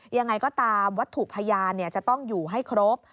ยังไงก็ตามวัตถุพยานจะต้องอยู่ให้ครบ